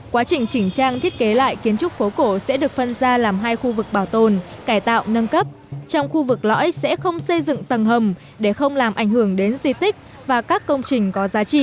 quá trình chỉnh trang thiết kế lại kiến trúc phố cổ sẽ được phân ra làm hai khu vực bảo tồn cải tạo nâng cấp trong khu vực lõi sẽ không xây dựng tầng hầm để không làm ảnh hưởng đến di tích và các công trình có giá trị